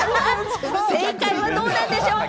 正解はどうなんでしょうか？